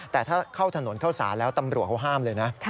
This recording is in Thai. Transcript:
แต่ถ้าเข้าถนนเข้าสารแล้วตำรวจเขาห้ามเลยนะ